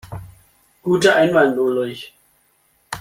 Guter Einwand, Ulrich.